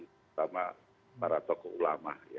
pertama para tokoh ulama